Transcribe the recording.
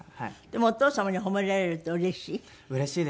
でもお父様に褒められるとうれしい？